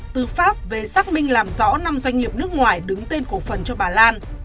tư pháp về xác minh làm rõ năm doanh nghiệp nước ngoài đứng tên cổ phần cho bà lan